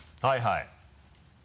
はいはい。